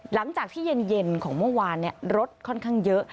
หลังจากที่เย็นของเมื่อวานรถค่อนข้างเยอะ